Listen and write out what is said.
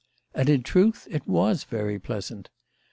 And in truth it was very pleasant.